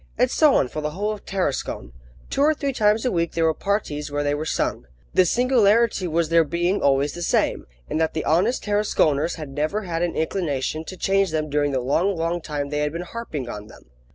And so on for the whole of Tarascon. Two or three times a week there were parties where they were sung. The singularity was their being always the same, and that the honest Tarasconers had never had an inclination to change them during the long, long time they had been harping on them.